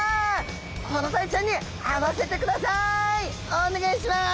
お願いします！